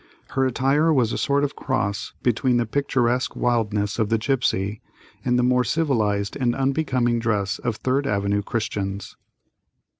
Her attire was a sort of cross between the picturesque wildness of the gipsy, and the more civilized and unbecoming dress of Third Avenue Christians.